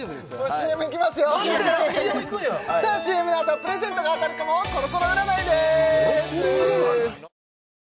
ＣＭいくんやさあＣＭのあとはプレゼントが当たるかもコロコロ占いです